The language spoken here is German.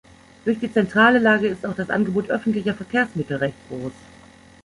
Durch die zentrale Lage ist auch das Angebot öffentlicher Verkehrsmittel recht groß.